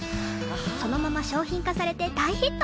そのまま商品化されて大ヒット。